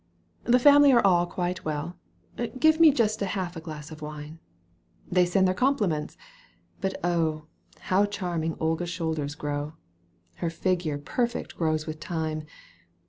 The family are all quite well — Give me just half a glass of wine — They sent their compliments — ^but oh ! How charming Olga's shoulders grow ! Her figure perfect grows with time